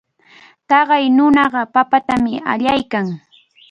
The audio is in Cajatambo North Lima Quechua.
Taqay nunaqa papatami allaykan.